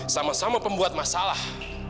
sama sama pembuat masalah